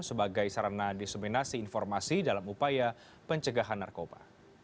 sebagai sarana diseminasi informasi dalam upaya pencegahan narkoba